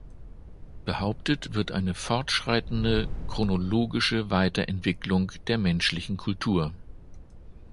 Behauptet wird eine fortschreitende chronologische Weiterentwicklung der menschlichen Kultur.